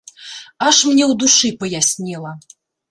Аж мне ў душы паяснела.